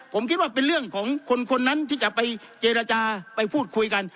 ผมคิดว่าเป็นเรื่องของคนนั้นที่จะไปเจรจาไปพูดคุยกัน